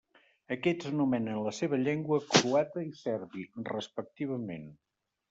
Aquests anomenen la seva llengua croata i serbi, respectivament.